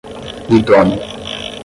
idôneo